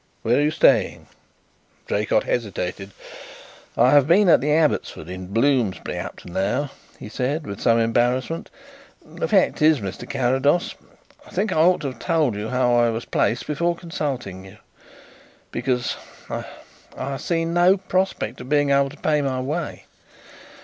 Where are you staying?" Draycott hesitated. "I have been at the Abbotsford, in Bloomsbury, up to now," he said, with some embarrassment. "The fact is, Mr. Carrados, I think I ought to have told you how I was placed before consulting you, because I I see no prospect of being able to pay my way.